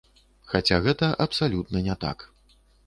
Хаця, гэта абсалютна не так.